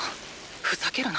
ふざけるな。